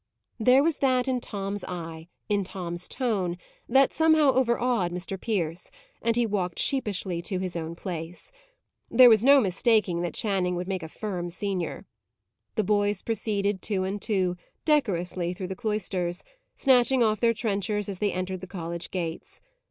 There was that in Tom's eye, in Tom's tone, that somehow over awed Mr. Pierce; and he walked sheepishly to his own place. There was no mistaking that Channing would make a firm senior. The boys proceeded, two and two, decorously through the cloisters, snatching off their trenchers as they entered the college gates.